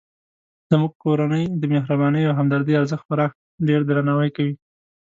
زموږ کورنۍ د مهربانۍ او همدردۍ ارزښت خورا ډیردرناوی کوي